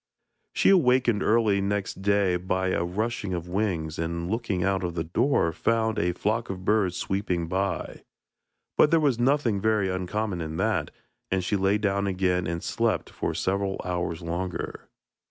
She was awakened early next day by a rushing of wings, and, looking out of the door, found a flock of birds sweeping by. But there was nothing very uncommon in that, and she lay down again and slept for several hours longer.